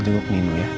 jenguk nino ya